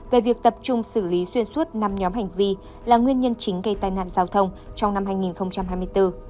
về việc tập trung xử lý xuyên suốt năm nhóm hành vi là nguyên nhân chính gây tai nạn giao thông trong năm hai nghìn hai mươi bốn